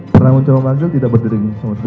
pernah mencoba panggil tidak berdering sama sekali